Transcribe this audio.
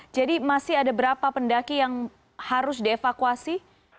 jadi masih ada berapa pendaki yang harus dievakuasi